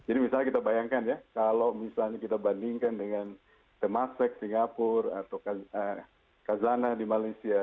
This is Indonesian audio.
jadi misalnya kita bayangkan ya kalau misalnya kita bandingkan dengan the massac singapore atau kazana di malaysia